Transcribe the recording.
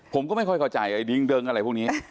ผมก็ไม่ค่อยเข้าใจไอ้ดิ้งเดิิ้งอะไรพวกนี้